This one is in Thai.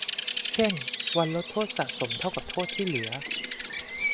เช่น วันลดโทษสะสมเท่ากับโทษที่เหลือ